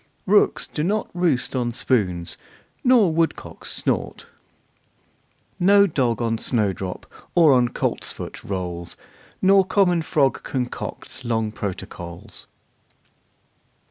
Rooks do not roost on spoons, nor woodcocks snort Nor dog on snowdrop or on coltsfoot rolls. Nor common frog concocts long protocols.